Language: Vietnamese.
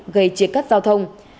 gây chia cắt giao thông